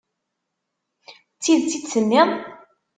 D tidet i d-tenniḍ?